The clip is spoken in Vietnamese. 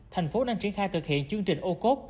thành phố đang triển khai thực hiện chương trình ô cốp